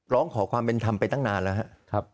ร้องขอความเป็นธรรมไปตั้งนานแล้วครับ